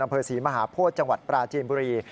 อำเภอศรีมหาโพธิจังหวัดปราจีนบุรี